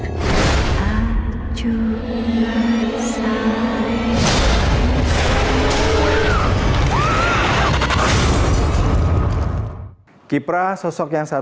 ha jadinya malu sekarang